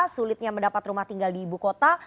sulitnya mendapat rumah tinggal di ibu kota